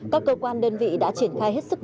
các cơ quan đơn vị đã triển khai hết sức